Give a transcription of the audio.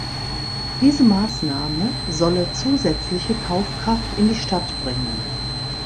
Diese Maßnahme solle zusätzliche Kaufkraft in die Stadt bringen.